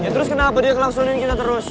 terus kenapa dia klausulin kita terus